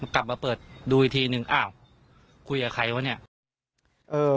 กลับมาเปิดดูอีกทีหนึ่งอ้าวคุยกับใครวะเนี่ย